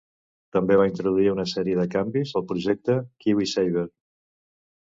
També va introduir una sèrie de canvis al projecte KiwiSaver.